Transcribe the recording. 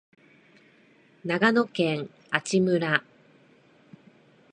長野県阿智村